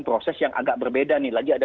proses yang agak berbeda nih lagi ada